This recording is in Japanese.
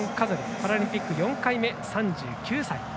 パラリンピック４回目、３９歳。